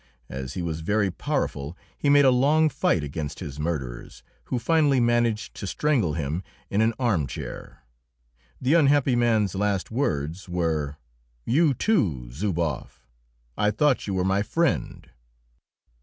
As he was very powerful he made a long fight against his murderers, who finally managed to strangle him in an armchair. The unhappy man's last words were, "You, too, Zuboff! I thought you were my friend!"